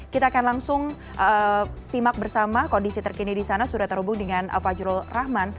kita akan langsung simak bersama kondisi terkini di sana sudah terhubung dengan fajrul rahman